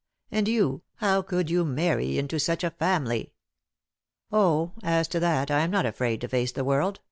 And you, how could you marry into such a family?" "Oh, as to that I am not afraid to face the world.